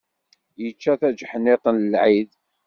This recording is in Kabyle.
Ičča tajeḥniḍt n lɛid.